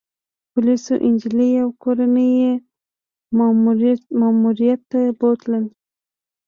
پولیسو انجلۍ او کورنۍ يې ماموریت ته بوتلل